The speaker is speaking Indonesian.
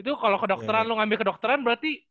itu kalau kedokteran lu ngambil kedokteran berarti